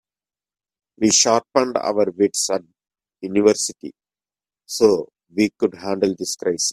We sharpened our wits at university so we could handle this crisis.